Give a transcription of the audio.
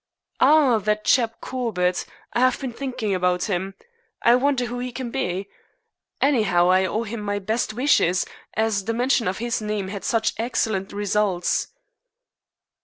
"Ah, that chap Corbett. I have been thinking about him. I wonder who he can be? Anyhow, I owe him my best wishes, as the mention of his name has had such excellent results."